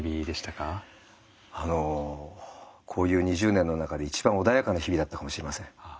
こういう２０年の中で一番穏やかな日々だったかもしれません。